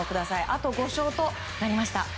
あと５勝となりました。